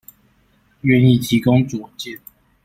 願意提供卓見